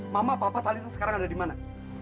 mama papa talisa sekarang ada dimana